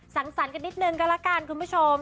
สังสรรค์กันนิดนึงก็ละกันคุณผู้ชม